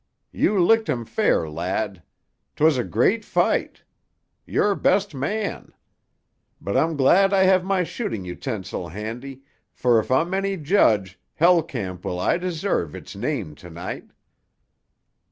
—You licked him fair, lad. 'Twas a great fight. You're best man. But I'm glad I have my shooting utensil handy, for if I'm any judge Hell Camp will aye deserve its name to night."